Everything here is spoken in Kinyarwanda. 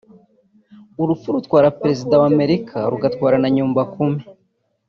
urupfu rutwara Perezida wa Amerika rugatwara na Nyumbakumi